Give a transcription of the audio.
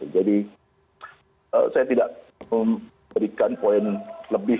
jadi saya tidak memberikan poin lebih